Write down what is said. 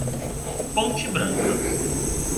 Ponte Branca